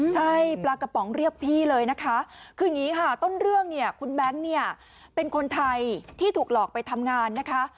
ใช่ปลากระป๋องเรียกพี่เลยนะคะคืออย่างนี้ค่ะต้นเรื่องเนี่ยคุณแบงค์เนี่ยเป็นคนไทยที่ถูกหลอกไปทำงานนะคะ